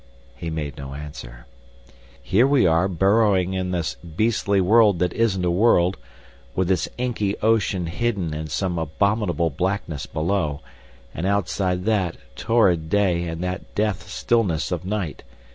He made no answer. "Here we are burrowing in this beastly world that isn't a world, with its inky ocean hidden in some abominable blackness below, and outside that torrid day and that death stillness of night.